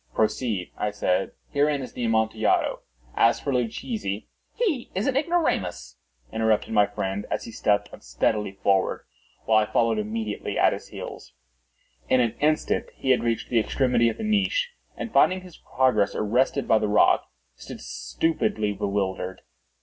"Proceed," I said; "herein is the Amontillado. As for Luchesi—" "He is an ignoramus," interrupted my friend, as he stepped unsteadily forward, while I followed immediately at his heels. In an instant he had reached the extremity of the niche, and finding his progress arrested by the rock, stood stupidly bewildered.